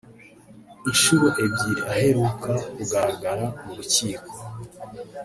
Inshuro ebyiri aheruka kugaragara mu rukiko